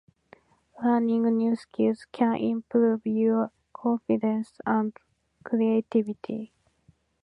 Learning new skills can improve your confidence and creativity.